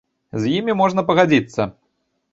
З імі можна пагадзіцца.